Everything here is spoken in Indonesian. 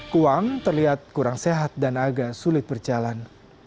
kuang terlihat kurang sehat dan agak sulit berjalan